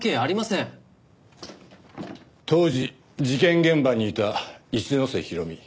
当時事件現場にいた一ノ瀬弘美